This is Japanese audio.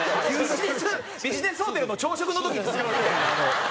ビジネスホテルの朝食の時に使うみたいなあの。